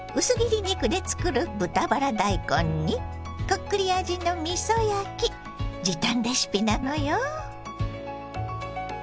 薄切り肉で作る豚バラ大根にこっくり味のみそ焼き時短レシピなのよ。